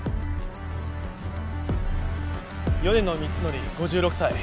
米野光則５６歳。